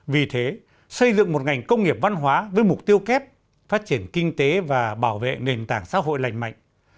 vì thế xây dựng một ngành công nghiệp văn hóa với mục tiêu kép phát triển kinh tế và bảo vệ nền tảng xã hội lành mạnh